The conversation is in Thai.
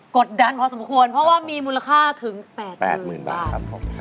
กดดันพอสมควรเพราะว่ามีมูลค่าถึง๘๘๐๐๐บาท